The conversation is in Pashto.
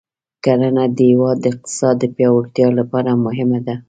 کرنه د هېواد د اقتصاد د پیاوړتیا لپاره مهمه ده.